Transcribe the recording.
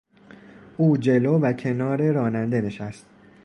او جلو و کنار راننده نشست.